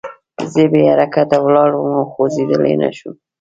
زه بې حرکته ولاړ وم او خوځېدلی نه شوم